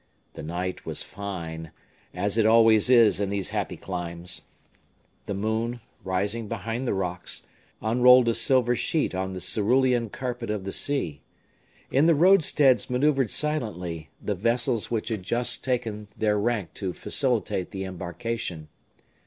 The night was fine, as it always is in these happy climes. The moon, rising behind the rocks, unrolled a silver sheet on the cerulean carpet of the sea. In the roadsteads maneuvered silently the vessels which had just taken their rank to facilitate the embarkation.